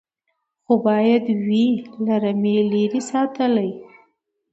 خو باید وي له رمې لیري ساتلی